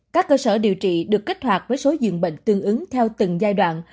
các cơ sở điều trị được kích hoạt với số dường bệnh tương ứng theo từng giai đoạn